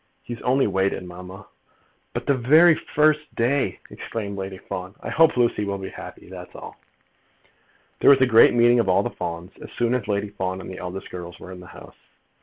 "He has only waited, mamma." "But the very first day!" exclaimed Lady Fawn. "I hope Lucy will be happy; that's all." There was a great meeting of all the Fawns, as soon as Lady Fawn and the eldest girls were in the house.